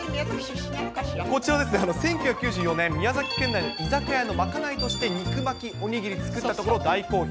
こちらですね、１９９４年、宮崎県内の居酒屋の賄いとして肉巻きおにぎり作ったところ大好評。